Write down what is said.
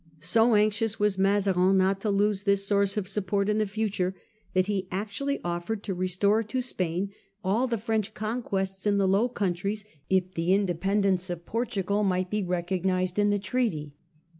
So anxious was Mazarin not to lose this source of support in the future, that he actually offered to restore to Spain all the F rench conquests in the Low Countries if the independence of Portugal might be re cognised in the treaty.